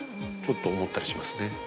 ちょっと思ったりしますね。